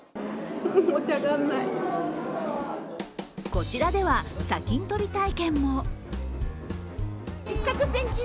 こちらでは砂金取り体験も。